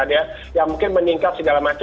ada yang mungkin meningkat segala macam